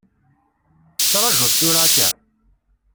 Tettrajuḍ tura akka?